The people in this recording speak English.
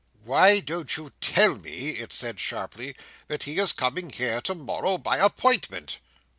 "Why don't you tell me," it said sharply, "that he is coming here to morrow by appointment?"